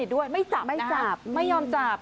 ด้วยไม่จากมันไม่ยอมจาบ